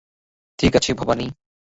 ঠিক আছে, ভবানী।